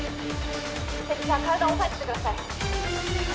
千住さん体を押さえててください